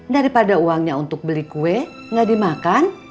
daripada uangnya untuk beli kue gak dimakan